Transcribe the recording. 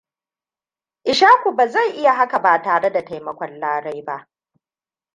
Ishaku ba zai iya haka ba tare da taimakon Lare ba.